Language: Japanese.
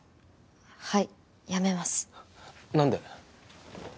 はい辞めます何で？